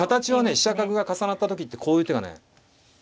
飛車角が重なった時ってこういう手がね形なんですよ。